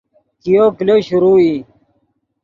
کئیو کلو شروع ای